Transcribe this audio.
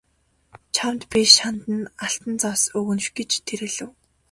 Чамд би шанд нь алтан зоос өгнө гэж тэр хэлэв.